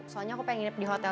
soalnya aku pengen ngip di hotel